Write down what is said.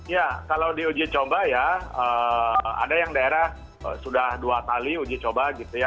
ya kalau di uji coba ya ada yang daerah sudah dua kali uji coba gitu ya